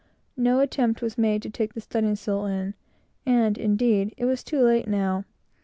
No attempt was made to take the studding sail in; and, indeed, it was too late now.